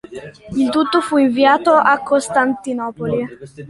Il tutto fu inviato a Costantinopoli.